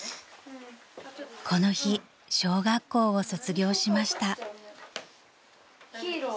［この日小学校を卒業しました］